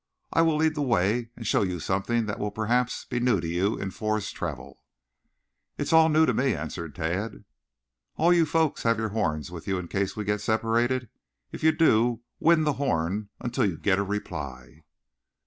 I will lead the way and show you something that will perhaps be new to you in forest travel." "It is all new to me," answered Tad. "All you folks have your horns with you in case we get separated. If you do, wind the horn until you get a reply."